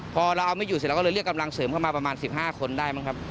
พอเราเอาไม่อยู่เสร็จเราก็เลยเรียกกำลังเสริมเข้ามาประมาณ๑๕คนได้มั้งครับ